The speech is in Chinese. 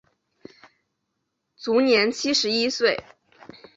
卒年七十一岁。